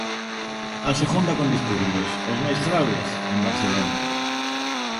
A segunda con disturbios, os máis graves en Barcelona.